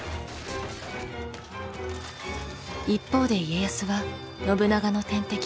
一方で家康は信長の天敵